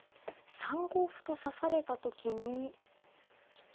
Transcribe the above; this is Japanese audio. ３五歩と指された時に。